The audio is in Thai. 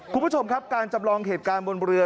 คุณผู้ชมครับการจำลองเหตุการณ์บนเรือ